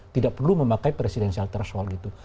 tidak perlu memakai presidensial threshold gitu